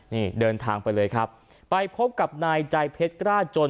นี่เดินทางไปเลยครับไปพบกับนายใจเพชรกล้าจน